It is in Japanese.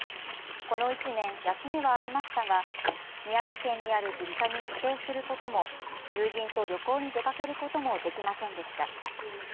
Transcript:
この１年、休みはありましたが宮城県にある実家に帰省することも友人と旅行に出かけることもできませんでした。